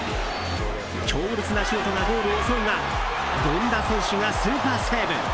強烈なシュートがゴールを襲うが権田選手がスーパーセーブ。